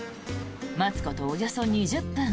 待つことおよそ２０分。